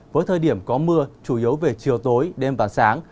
với thời điểm có mưa chủ yếu về chiều tối đêm và sáng